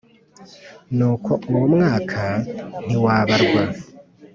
Nuko uwo mwaka ntiwabarwa